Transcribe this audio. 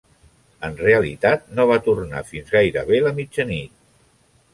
En realitat, no va tornar fins gairebé la mitjanit.